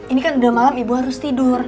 ini kan udah malam ibu harus tidur